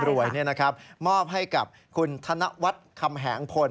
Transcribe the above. บรวยนี่นะครับมอบให้กับคุณธนวัตคำแห่งพล